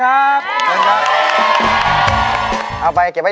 ร้องได้ให้ล้าน